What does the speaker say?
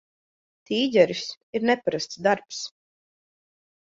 "Tīģeris" ir neparasts darbs.